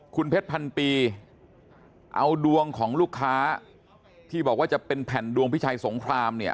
คุณเพชรพันปีเอาดวงของลูกค้าที่บอกว่าจะเป็นแผ่นดวงพิชัยสงครามเนี่ย